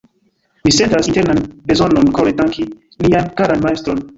Mi sentas internan bezonon kore danki nian karan Majstron.